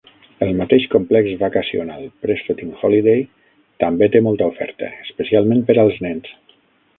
El mateix complex vacacional Prestatyn Holiday també té molta oferta, especialment per als nens.